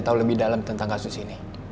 tidak ada masalah